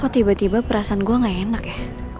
kok tiba tiba perasaan gue gak enak ya